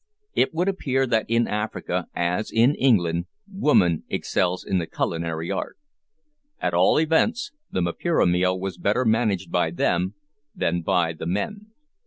It would appear that in Africa, as in England, woman excels in the culinary art. At all events, the mapira meal was better managed by them, than by the men.